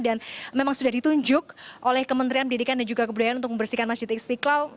dan memang sudah ditunjuk oleh kementerian pendidikan dan juga kebudayaan untuk membersihkan masjid istiqlal